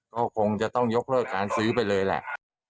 ก็คงจะต้องยกเลิกการซื้อไปเลยแหละ